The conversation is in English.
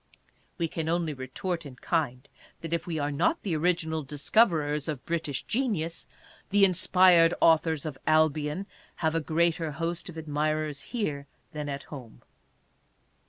We can only retort in kind, that if we are not the original discoverers of British genius, the inspired authors of Albion have a greater host of admirers here than at home.